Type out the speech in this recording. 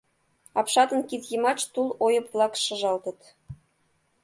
Апшатын кид йымач тул ойып-влак шыжалтыт